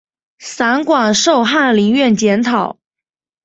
散馆授翰林院检讨。